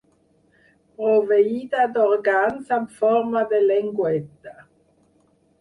Proveïda d'òrgans amb forma de llengüeta.